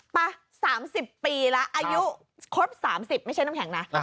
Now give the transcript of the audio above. ไป๓๐ปีแล้วอายุครบ๓๐ไม่ใช่น้ำแข็งนะ